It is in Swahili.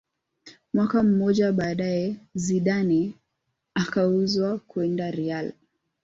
Mwaka mmoja baadaye Zidane akauzwa kwenda real